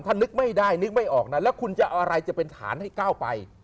ถ้านึกไม่ได้นึกไม่ออกนะแล้วคุณจะเอาอะไรจะเป็นฐานให้ก้าวไป